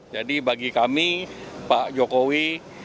jadi bagi kami pak jokowi